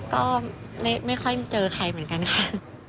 ก็ไม่ค่อยเจอใครเหมือนกันค่ะ